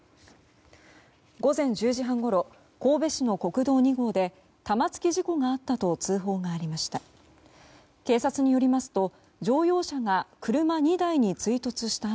午前１０時半ごろ神戸市の国道２号で玉突き事故があったと通報がありました。